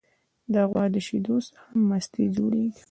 د غوا د شیدو څخه مستې جوړیږي.